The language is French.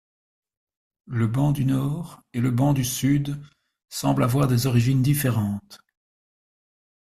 Le banc du Nord et le banc du Sud semblent avoir des origines différentes.